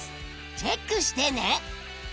チェックしてね。